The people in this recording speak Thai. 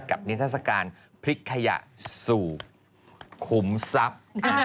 กับนิทราศกาลพริกขยะสูบคุ้มทรัพย์